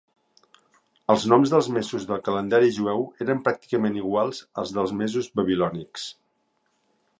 Els noms dels mesos del calendari jueu eren pràcticament iguals als dels mesos babilònics.